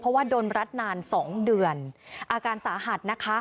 เพราะว่าโดนรัดนานสองเดือนอาการสาหัสนะคะ